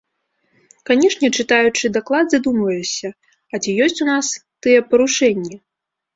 Канешне, чытаючы даклад, задумваешся, а ці ёсць у нас тыя парушэнні?